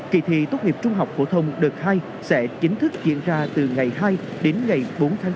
kỳ thi tốt nghiệp trung học phổ thông đợt hai sẽ chính thức diễn ra từ ngày hai đến ngày bốn tháng năm